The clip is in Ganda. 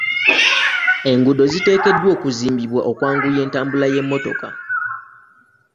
Enguudo ziteekeddwa okuzimbibwa okwanguya entambula y'emmotoka.